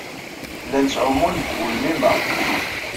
Llan ttɛumun deg ugelmim-a.